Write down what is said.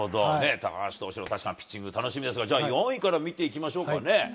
高橋投手の確かなピッチング、楽しみですけれども、じゃあ、４位から見ていきましょうかね。